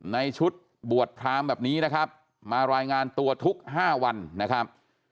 ในชุดบวชพรามแบบนี้นะครับมารายงานตัวทุก๕วันนะครับ